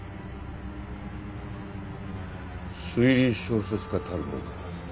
推理小説家たるもの